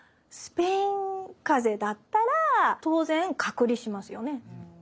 スペインかぜだったら当然隔離しますよね。